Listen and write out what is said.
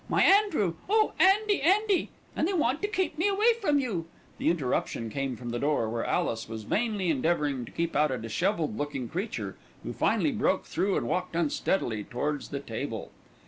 My Andrew! Oh, Andy! Andy! and they want to keep me away from you." The interruption came from the door, where Alice was vainly endeavouring to keep out a dishevelled looking creature, who finally broke through and walked unsteadily towards the table.